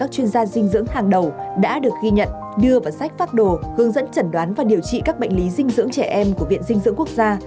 các chuyên gia dinh dưỡng hàng đầu đã được ghi nhận đưa vào sách phát đồ hướng dẫn chẩn đoán và điều trị các bệnh lý dinh dưỡng trẻ em của viện dinh dưỡng quốc gia